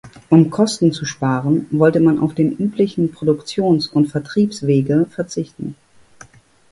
Um Kosten zu sparen, wollte man auf den üblichen Produktions- und Vertriebswege verzichten.